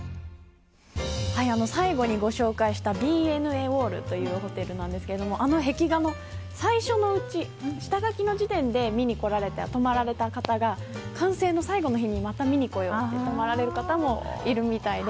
最後にご紹介したＢｎＡＷａｌｌというホテルですがあの壁画も最初のうち下書きの時点で見に来られて泊まれた方が完成の最後の日にまた見に来ようと泊まられる方もいるそうです。